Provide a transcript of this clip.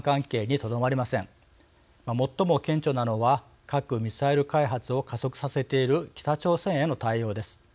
最も顕著なのは核・ミサイル開発を加速させている北朝鮮への対応です。